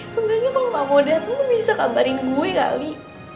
sebenernya kalo gak mau dateng lo bisa kabarin gue kali